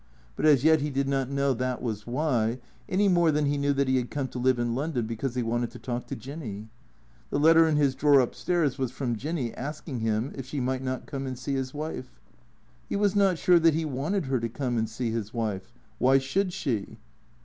But as yet he did not know that was why, any more than he knew that he had come to live in London because he wanted to talk to Jinny. The letter in his drawer up stairs was from Jinny, asking him if she might not come and see his wife. He was not sure that he wanted her to come and see his wife. Why should she?